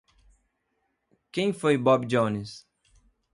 Quem foi Bobi Jones?